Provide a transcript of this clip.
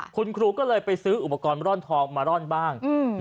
คุณครูก็เลยไปซื้ออุปกรณ์ร่อนทองมาร่อนบ้าง